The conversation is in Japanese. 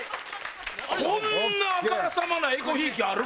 こんなあからさまなえこひいきある？